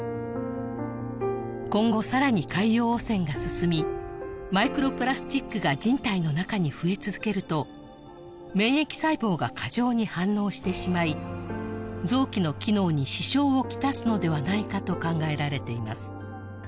今後さらに海洋汚染が進みマイクロプラスチックが人体の中に増え続けると免疫細胞が過剰に反応してしまい臓器の機能に支障をきたすのではないかと考えられています